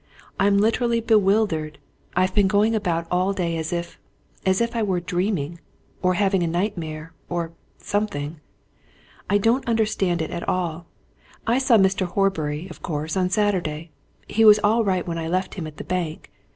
"I'm literally bewildered. I've been going about all day as if as if I were dreaming, or having a nightmare, or something. I don't understand it at all. I saw Mr. Horbury, of course, on Saturday he was all right when I left him at the bank.